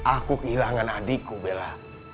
aku kehilangan adikku bella